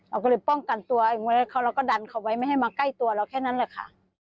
แม้แต่ว่าทางอัมเมินหัวเราแค่นั้นแหละค่ะ